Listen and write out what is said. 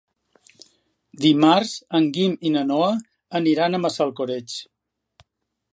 Dimarts en Guim i na Noa aniran a Massalcoreig.